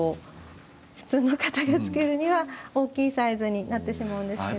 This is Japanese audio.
普通の方がつけるには大きいサイズになります。